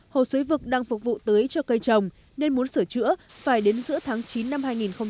hồ suối vực đang phục vụ tưới cho cây trồng nên muốn sửa chữa phải đến giữa tháng chín năm hai nghìn một mươi bảy